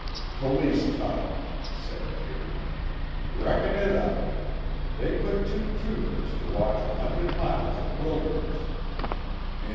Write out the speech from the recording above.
"Police talk!" said Deering. "Reckon it up. They put two troopers to watch a hundred miles of wilderness.